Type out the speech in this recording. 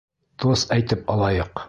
Тост әйтеп алайыҡ!